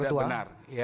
saya keberatan pak ketua